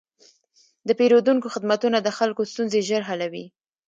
د پېرودونکو خدمتونه د خلکو ستونزې ژر حلوي.